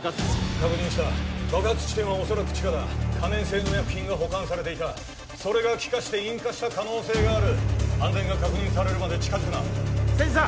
確認した爆発地点は恐らく地下だ可燃性の薬品が保管されていたそれが気化して引火した可能性がある安全が確認されるまで近づくな千住さん！